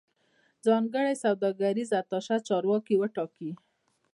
ځانګړی سوداګریز اتشه چارواکي وټاکي